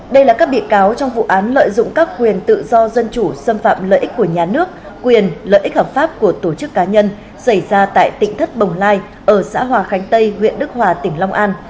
đây là các bị cáo trong vụ án lợi dụng các quyền tự do dân chủ xâm phạm lợi ích của nhà nước quyền lợi ích hợp pháp của tổ chức cá nhân xảy ra tại tỉnh thất bồng lai ở xã hòa khánh tây huyện đức hòa tỉnh long an